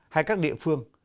hay các địa phương